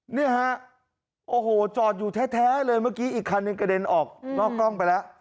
เนี่ยฮะโอ้โหจอดอยู่แท้เลยเมื่อกี้อีกคันหนึ่งกระเด็นออกนอกกล้องไปแล้ว